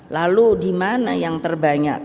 lalu di mana yang terbanyak